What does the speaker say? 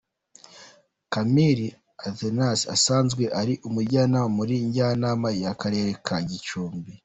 Kamili Athanase asanzwe ari umunjyanama muri Njyanama y’ akarere ka Gicumbi.